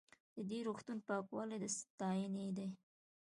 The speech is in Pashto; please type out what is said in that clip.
د دې روغتون پاکوالی د ستاینې دی.